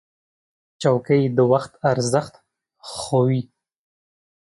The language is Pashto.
چوکۍ د وخت ارزښت ښووي.